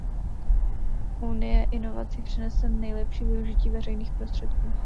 Unie inovací přinese nejlepší využití veřejných prostředků.